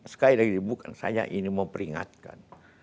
sekali lagi bukan saya ini mau peringatkan